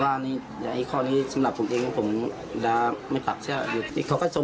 แต่ในการพัฒนากรรมนี้ผมว่ามัน